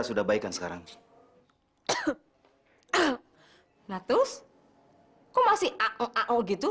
sudah baikkan sekarang nah terus kok masih a'ol a'ol gitu